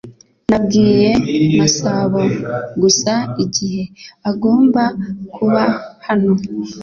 Nabwiye Masabo gusa igihe agomba kuba hano